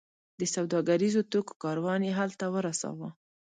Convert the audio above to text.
د سوداګریزو توکو کاروان یې هلته ورساوو.